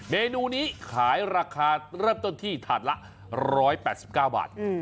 เมนูนี้ขายราคาเริ่มต้นที่ถาดละ๑๘๙บาท